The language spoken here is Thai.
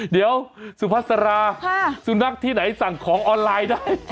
เดี๋ยวสุพัสราสุนัขที่ไหนสั่งของออนไลน์ได้